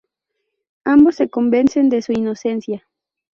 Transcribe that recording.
Ambos se convencen de su inocencia.